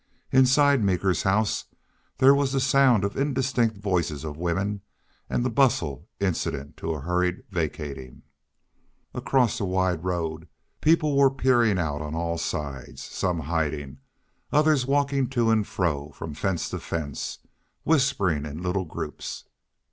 Inside Meeker's house there was the sound of indistinct voices of women and the bustle incident to a hurried vacating. Across the wide road people were peering out on all sides, some hiding, others walking to and fro, from fence to fence, whispering in little groups.